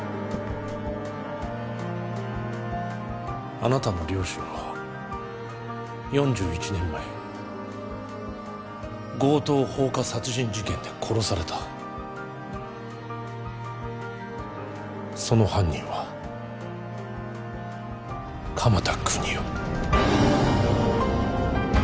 あなたの両親は４１年前強盗放火殺人事件で殺されたその犯人は鎌田國士